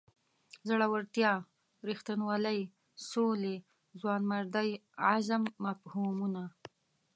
زړورتیا رښتینولۍ سولې ځوانمردۍ عزم مفهومونه.